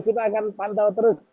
kita akan pantau terus